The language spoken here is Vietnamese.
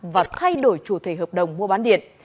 và thay đổi chủ thể hợp đồng mua bán điện